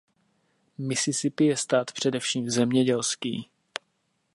Mississippi je stát především zemědělský.